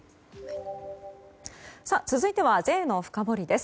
続いてはＪのフカボリです。